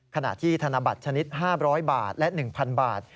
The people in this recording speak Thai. ขณะที่ธนบัตรชนิด๕๐๐บาทและ๑๐๐บาท